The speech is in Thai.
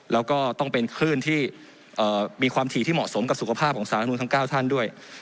แล้วก็ต้องเป็นคลื่นที่มีความถี่ที่เหมาะสมกับสุขภาพของสารรัฐมนุนทั้ง๙ท่านด้วย